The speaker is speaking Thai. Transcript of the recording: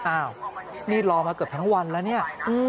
อ้าวนี่รอมาเกือบทั้งวันแล้วเนี่ย